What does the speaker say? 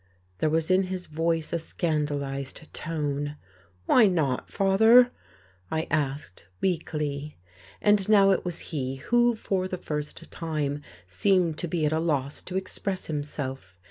There was in his voice a scandalized note. "Why not, father?" I asked weakly. And now it was he who, for the first time, seemed to be at a loss to express himself.